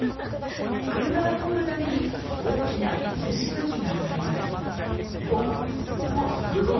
車が通るたびに大きな水しぶきが上がります。